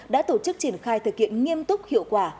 đã tổ chức triển khai thực hiện nghiêm túc hiệu quả